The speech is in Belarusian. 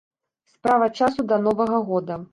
Справа часу да новага года.